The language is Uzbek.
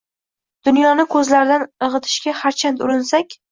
Dunyoni ko‘zlardan irg‘itishga harchand urinsak.